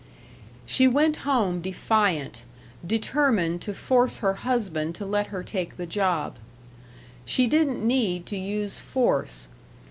She went home defiant, determined to force her husband to let her take the job.... She didn't need to use force.